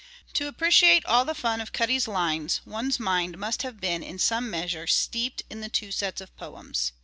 To appreciate all the fun of Cuddie's lines one's mind must have been in some measure steeped in the two sets of poems.